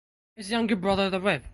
His younger brother the Rev.